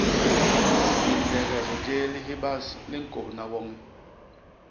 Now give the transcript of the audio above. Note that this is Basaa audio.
Lilegek jéé li hibas li ñkônha woñi.